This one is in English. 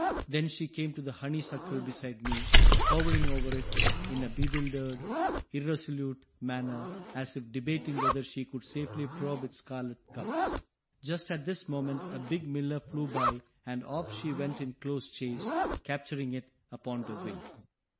Then she came to the honeysuckle beside me, hovering over it in a bewildered, irresolute manner as if debating whether she could safely probe its scarlet cups. Just at this moment a big miller flew by and off she went in close chase, capturing it upon the wing.